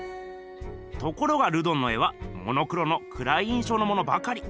ところがルドンの絵はモノクロのくらい印象のものばかり。